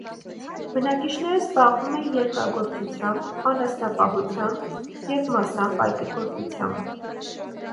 Բնակիչները զբաղվում են երկրագործությամբ, անասնապահությամբ և մասամբ այգեգործությամբ։